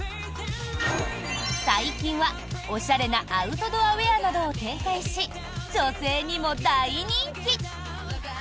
最近は、おしゃれなアウトドアウェアなどを展開し女性にも大人気。